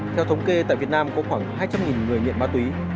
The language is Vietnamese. theo thống kê tại việt nam có khoảng hai trăm linh người nghiện ma túy